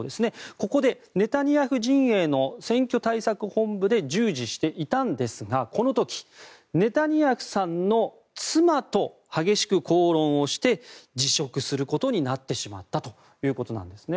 ここでネタニヤフ陣営の選挙対策本部で従事していたんですがこの時、ネタニヤフさんの妻と激しく口論をして辞職することになってしまったということです。